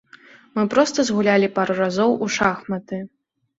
Мы проста згулялі пару разоў у шахматы.